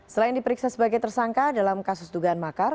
selain diperiksa sebagai tersangka dalam kasus dugaan makar